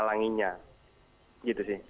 halanginya gitu sih